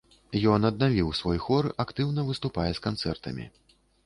Ён аднавіў свой хор, актыўна выступае з канцэртамі.